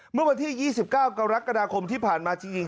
เมื่อวันที่๒๙กรกฎาคมที่ผ่านมาจริง